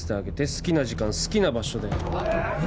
好きな時間好きな場所で